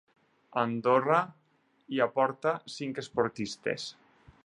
Andorra hi aporta cinc esportistes.